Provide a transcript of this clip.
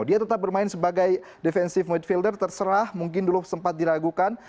dia tetap bermain sebagai defensive midfielder terserah mungkin dulu sempat diragukan